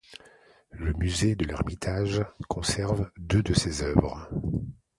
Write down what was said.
Le musée de l'Ermitage conserve deux de ses œuvres.